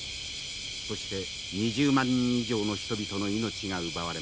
そして２０万人以上の人々の命が奪われました。